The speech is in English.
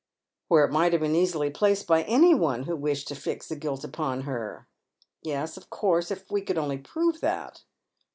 " Where it might have been easily placed by any one who wished to fix the guilt upon her." "Yes, of course. If we could only prove that."